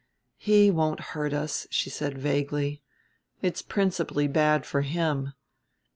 "He won't hurt us," she said vaguely. "It's principally bad for him.